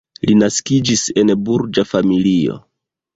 Li naskiĝis en burĝa familio.